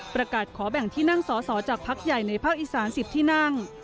ประกาศขอแบ่งที่นั่งสอสอจากพักใหญ่ในภาคอีสาน๑๐ที่นั่ง